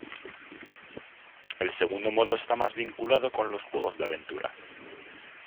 El segundo modo esta más vinculado con los juegos de aventura.